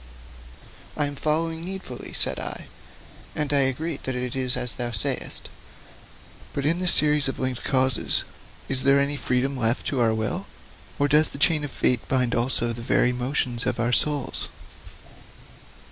'I am following needfully,' said I, 'and I agree that it is as thou sayest. But in this series of linked causes is there any freedom left to our will, or does the chain of fate bind also the very motions of our souls?'